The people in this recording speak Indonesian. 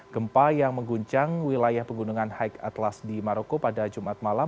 gempa yang mengguncang wilayah pegunungan haik atlas di maroko pada jumat malam